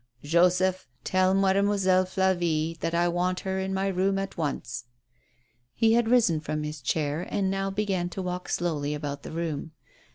" Joseph, tell Mademoiselle Flavie that I want her in my room at once." He had risen from his chair, and now began to walk slowly about the room.